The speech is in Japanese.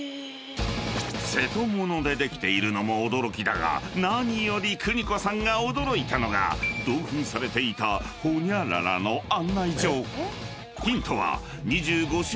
［瀬戸物でできているのも驚きだが何より邦子さんが驚いたのが同封されていたホニャララの案内状］